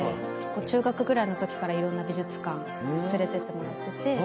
中学くらいの時からいろんな美術館連れてってもらってて。